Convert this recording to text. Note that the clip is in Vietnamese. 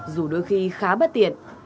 dù đôi khi khá bất tiện